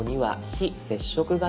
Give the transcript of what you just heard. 非接触型。